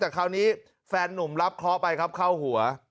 แต่คราวนี้แฟนนุ่มรับเคราะห์ไปครับเข้าหัว